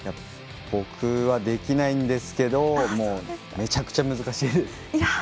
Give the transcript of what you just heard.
僕はできないんですけどめちゃくちゃ難しいです。